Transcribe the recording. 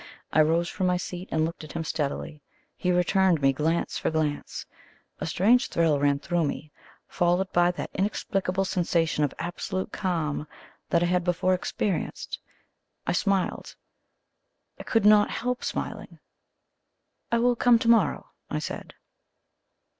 I rose from my seat and looked at him steadily; he returned me glance for glance, A strange thrill ran through me, followed by that inexplicable sensation of absolute calm that I had before experienced. I smiled I could, not help smiling. "I will come to morrow," I said.